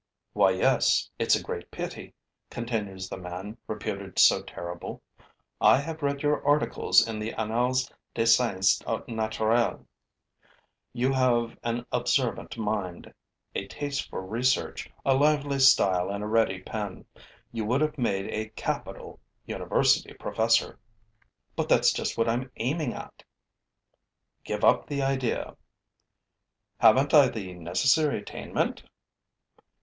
'Why, yes, it's a great pity,' continues the man reputed so terrible. 'I have read your articles in the Annales des sciences naturelles. You have an observant mind, a taste for research, a lively style and a ready pen. You would have made a capital university professor.' 'But that's just what I'm aiming at!' 'Give up the idea.' 'Haven't I the necessary attainment?'